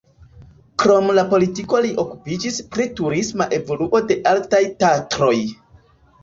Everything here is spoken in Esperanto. Krom la politiko li okupiĝis pri turisma evoluo de Altaj Tatroj.